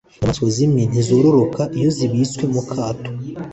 Inyamaswa zimwe ntizororoka iyo zibitswe mu kato